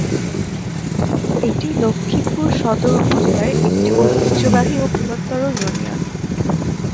এটি লক্ষ্মীপুর সদর উপজেলার একটি ঐতিহ্যবাহী ও বৃহত্তর ইউনিয়ন।